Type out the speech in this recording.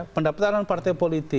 pendaptaran partai politik